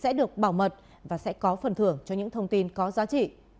sẽ được bảo mật và sẽ có phần thưởng cho những thông tin có giá trị